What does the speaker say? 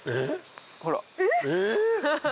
ほら。